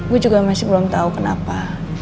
gue juga masih belum tahu kenapa